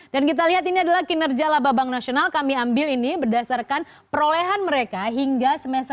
dan kita lihat ini adalah kinerja laba bank nasional kami ambil ini berdasarkan perolehan mereka hingga semester satu dua ribu tujuh belas